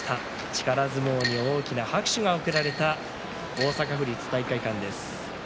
力相撲に大きな拍手が送られた大阪府立体育会館です。